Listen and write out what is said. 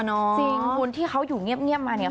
จริงคุณที่เขาอยู่เงียบมาเนี่ย